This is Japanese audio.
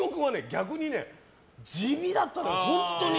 逆に地味だったの、本当に。